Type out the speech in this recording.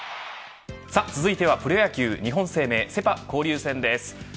続いては、プロ野球日本生命セ・パ交流戦です。